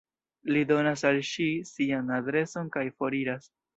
Li donas al ŝi sian adreson kaj foriras.